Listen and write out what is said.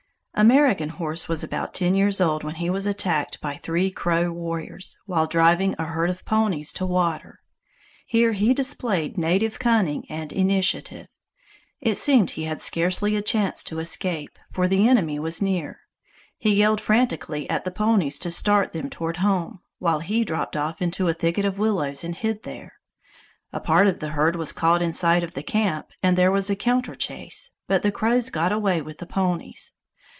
American Horse was about ten years old when he was attacked by three Crow warriors, while driving a herd of ponies to water. Here he displayed native cunning and initiative. It seemed he had scarcely a chance to escape, for the enemy was near. He yelled frantically at the ponies to start them toward home, while he dropped off into a thicket of willows and hid there. A part of the herd was caught in sight of the camp and there was a counter chase, but the Crows got away with the ponies.